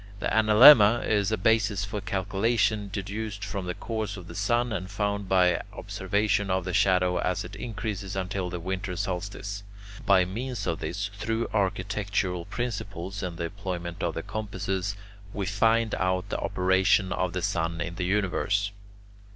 The analemma is a basis for calculation deduced from the course of the sun, and found by observation of the shadow as it increases until the winter solstice. By means of this, through architectural principles and the employment of the compasses, we find out the operation of the sun in the universe.